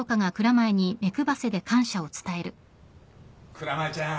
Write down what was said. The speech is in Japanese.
蔵前ちゃん